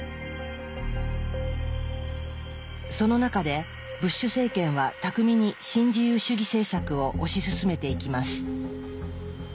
その中でブッシュ政権は巧みに新自由主義政策を推し進めていきます。